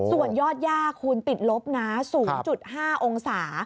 ส่วนยอดย่าคุณติดลบนะ๐๕องศา